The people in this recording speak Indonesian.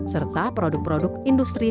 serta produk produk industri